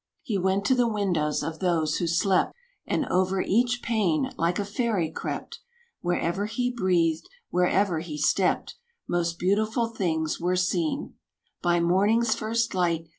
He went to the windows of those who slept, And over each pane, like a fairy crept; Wherever he breathed wherever he stepped Most beautiful things were seen By morning's first light!